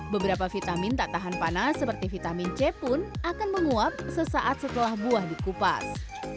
beberapa vitamin tak tahan panas seperti vitamin c pun akan menguap sesaat setelah buah dikupas